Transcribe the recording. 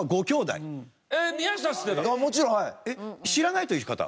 知らないという方？